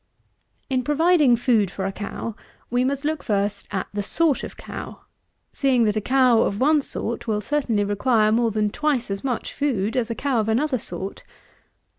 115. In providing food for a cow we must look, first, at the sort of cow; seeing that a cow of one sort will certainly require more than twice as much food as a cow of another sort.